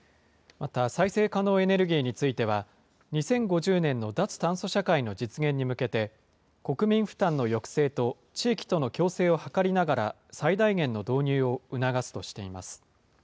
また再生可能エネルギーについては、２０５０年の脱炭素社会の実現に向けて、国民負担の抑制と地域との共生を図りながら、最大限の導入を促すとしています。